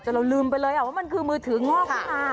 จนเราลืมไปเลยว่ามันคือมือถืองอกมา